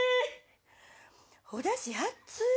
おだしあっつ。